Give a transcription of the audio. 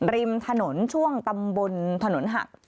ริมถนนช่วงตำบลถนนหัก